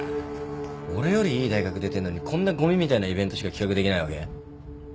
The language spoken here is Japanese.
俺よりいい大学出てんのにこんなゴミみたいなイベントしか企画できないわけ？